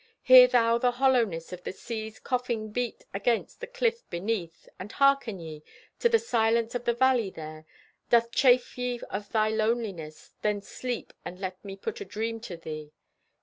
Hear thou the hollowness Of the sea's coughing beat against The cliff beneath, and harken ye To the silence of the valley there. Doth chafe ye of thy loneliness? Then sleep and let me put a dream to thee.